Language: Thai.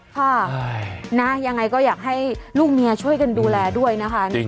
ค่ะนะยังไงก็อยากให้ลูกเมียช่วยกันดูแลด้วยนะคะ